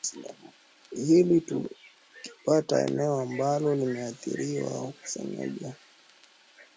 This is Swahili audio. hili tukipata eneo ambalo limeathirika wanakusanya Ushahidi